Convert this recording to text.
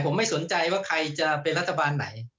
ผมไม่สนใจว่าใครจะเป็นรัฐบาลไหน